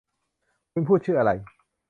คุณพูดชื่ออะไร